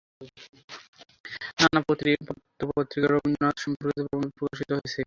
নানা পত্রপত্রিকায় রবীন্দ্রনাথ সম্পর্কিত প্রবন্ধ প্রকাশিত হয়েছে।